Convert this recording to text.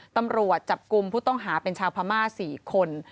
ตำรวจจับกลุ่มผู้ต้องหาเป็นชาวพม่า๔คน